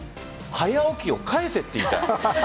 早起きを返せって言いたい。